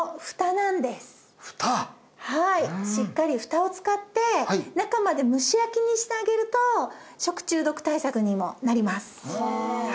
はいしっかりフタを使って中まで蒸し焼きにしてあげると食中毒対策にもなります